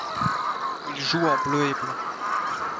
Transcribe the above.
Il joue en bleu et blanc.